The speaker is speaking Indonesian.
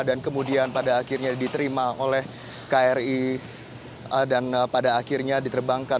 dan kemudian pada akhirnya diterima oleh kri dan pada akhirnya diterbangkan